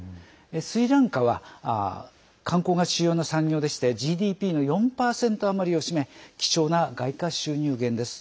スリランカは観光が主要な産業でしてＧＤＰの４％余りを占め貴重な外貨収入源です。